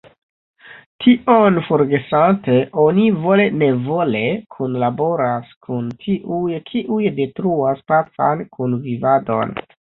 Tion forgesante, oni vole-nevole kunlaboras kun tiuj, kiuj detruas pacan kunvivadon.